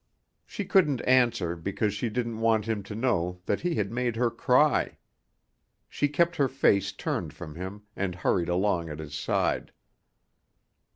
She couldn't answer because she didn't want him to know that he had made her cry. She kept her face turned from him and hurried along at his side.